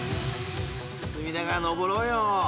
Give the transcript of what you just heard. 隅田川上ろうよ。